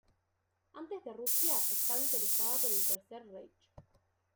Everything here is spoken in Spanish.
Antes de Rusia estaba interesada por el Tercer Reich.